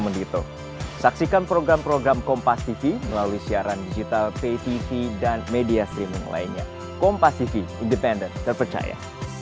oh itu kan wilayahnya di wilayah mahkamah kuasa